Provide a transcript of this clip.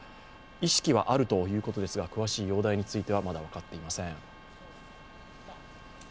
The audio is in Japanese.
意識はあるということですが詳しい容態についてはまだ分かっていません。